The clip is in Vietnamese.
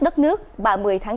đất nước ba mươi tháng bốn